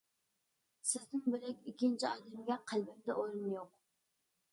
سىزدىن بۆلەك ئىككىنچى ئادەمگە قەلبىمدە ئورۇن يوق.